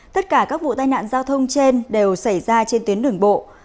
tất cả các vụ tai nạn giao thông trên đều xảy ra trên tuyến đường bộ